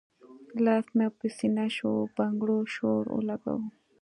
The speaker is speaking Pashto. لاس مې پۀ سينه شو بنګړو شور اولګوو